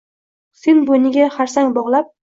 So’ng bo’yniga xarsang bog’lab